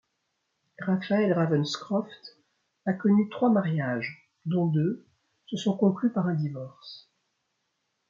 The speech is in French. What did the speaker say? Raphael Ravenscroft a connu trois mariages, dont deux se sont conclus par un divorce.